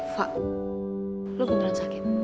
fak lo beneran sakit